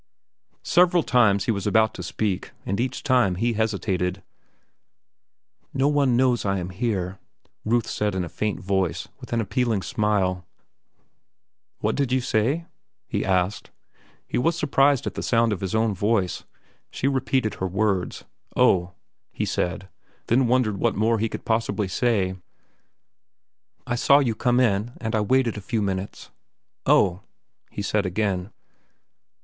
Several times he was about to speak, and each time he hesitated. "No one knows I am here," Ruth said in a faint voice, with an appealing smile. "What did you say?" He was surprised at the sound of his own voice. She repeated her words. "Oh," he said, then wondered what more he could possibly say. "I saw you come in, and I waited a few minutes." "Oh," he said again.